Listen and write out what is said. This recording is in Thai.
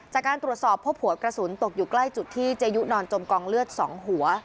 จากการตรวจสอบพบหัวกระสุนตกอยู่ใกล้จุดที่เจยุนอนจมกองเลือด๒หัว